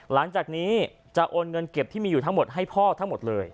หลังจากนี้จะโอนเงินเก็บที่มีอยู่ทั้งหมดให้พ่อทั้งหมดเลย